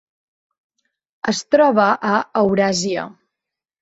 Es troba a Euràsia.